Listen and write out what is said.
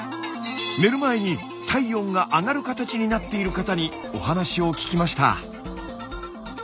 寝る前に体温が上がる形になっている方にお話を聞きました。